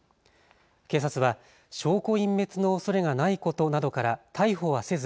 警察は証拠隠滅のおそれがないことなどから逮捕はせず